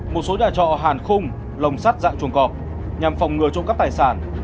một số nhà trọ hàn khung lồng sắt dạng chuồng cọp nhằm phòng ngừa trộm cắp tài sản